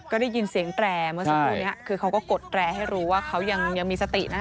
ก็ได้ยินเสียงแตรเมื่อสักครู่นี้คือเขาก็กดแตรให้รู้ว่าเขายังมีสตินะ